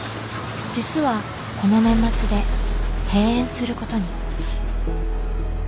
実はこの年末で閉園することに。